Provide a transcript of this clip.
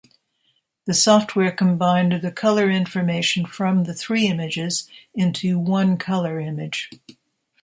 The software combined the color information from the three images into one color image.